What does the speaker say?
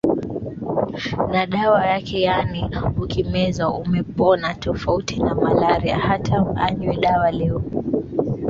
na dawa yake yaani ukimeza umepona tofauti na Malaria hata anywe dawa leo